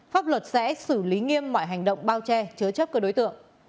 pháp luật sẽ xử lý nghiêm mọi hành động bao che chứa chấp các đối tượng